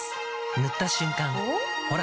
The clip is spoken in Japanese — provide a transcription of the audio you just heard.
塗った瞬間おっ？